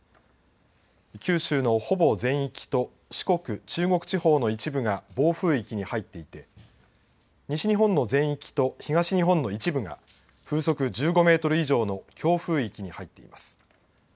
九州のほぼ全域と四国、中国地方の一部が暴風域に入っていて西日本の全域と東日本の一部が風速１５メートル以上の強風域に入っています。